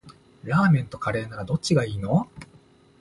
ラーメンとカレーならどっちがいいの？